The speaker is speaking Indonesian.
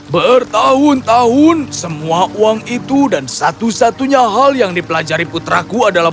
bertahun tahun semua uang itu dan satu satunya hal yang dipelajari putraku adalah